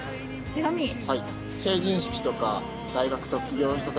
はい。